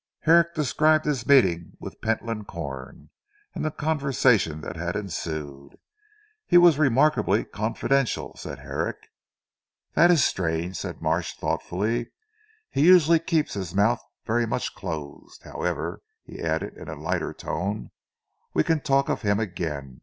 Herrick described his meeting with Pentland Corn, and the conversation that had ensued. "He was remarkably confidential," said Herrick. "That is strange," said Marsh thoughtfully. "He usually keeps his mouth very much closed. However," he added in a lighter tone, "we can talk of him again.